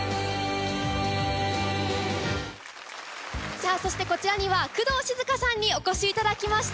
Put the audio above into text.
さあ、そしてこちらには、工藤静香さんにお越しいただきました。